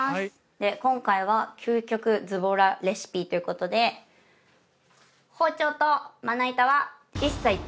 で今回は究極ズボラレシピという事で包丁とまな板は一切使いません。